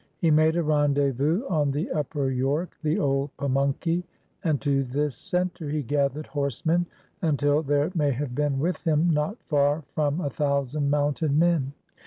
He made a rendezvous on the upper York — the old Pamunkey — and to this center he gathered horsemen until there may have been with him not far from a thousand mounted men.